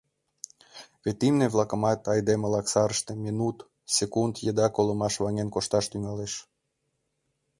Вет имне-влакымат айдемылак сарыште минут, секунд еда колымаш ваҥен кошташ тӱҥалеш.